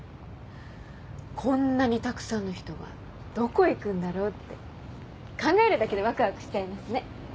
こんなにたくさんの人がどこ行くんだろうって考えるだけでワクワクしちゃいますね。